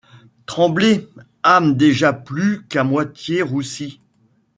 Tremblez, âmes déjà plus qu'à moitié roussies !